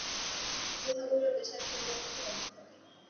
গুহাগুলোর বেশ একটা নিরপেক্ষ গন্ধ থাকে।